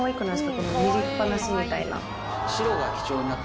この塗りっ放しみたいな。